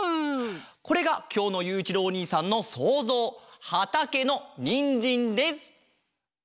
これがきょうのゆういちろうおにいさんのそうぞうはたけのにんじんです！